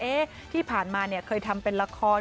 ที่ผ่านมาเนี่ยเคยทำเป็นละคร